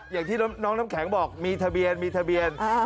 อย่างที่น้องน้ำแข็งบอกมีทะเบียน